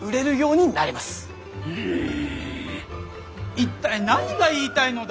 一体何が言いたいのだ？